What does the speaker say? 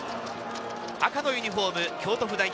赤のユニホーム、京都府代表